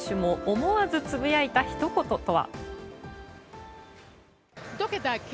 思わずつぶやいたひと言とは。